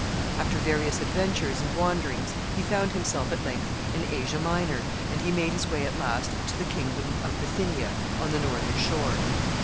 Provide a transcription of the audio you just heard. After various adventures and wanderings, he found himself at length in Asia Minor, and he made his way at last to the kingdom of Bithynia, on the northern shore.